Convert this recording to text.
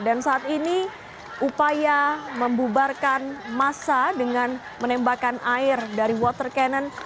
dan saat ini upaya membubarkan massa dengan menembakkan air dari water cannon